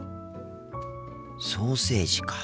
ソーセージか。